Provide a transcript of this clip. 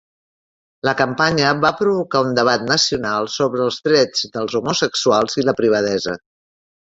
La campanya va provocar un debat nacional sobre els drets dels homosexuals i la privadesa.